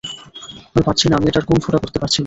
আমি পারছি না, আমি এটার কোণ ফুটা করতে পারছিনা।